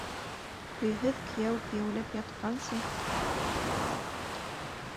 Көйһөҙ кейәү кейәүләп ятҡансы.